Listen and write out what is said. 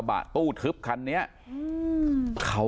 ตอนนี้ก็เปลี่ยนแบบนี้แหละ